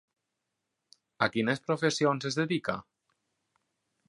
A quines professions es dedica?